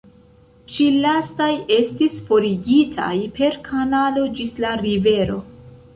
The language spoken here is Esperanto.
Ĉi lastaj estis forigitaj per kanalo ĝis la rivero.